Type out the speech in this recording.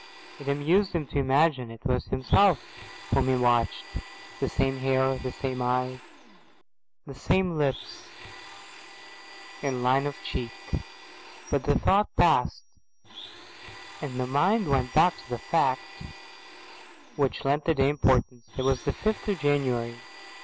It amused him to imagine it was himself whom he watched, the same hair, the same eyes, the same lips and line of cheek. But the thought palled, and the mind went back to the fact which lent the day importance. It was the fifth of January.